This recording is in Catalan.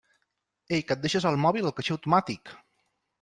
Ei, que et deixes el mòbil al caixer automàtic!